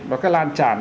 nó sẽ lan tràn